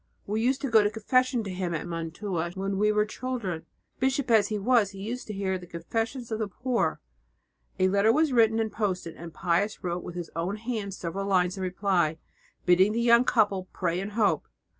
We used to go to confession to him at Mantua when we were children; bishop as he was, he used to hear the confessions of the poor." A letter was written and posted, and Pius wrote with his own hand several lines in reply, bidding the young couple pray and hope.